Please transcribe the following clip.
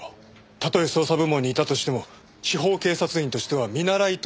たとえ捜査部門にいたとしても司法警察員としては見習いという身分だ。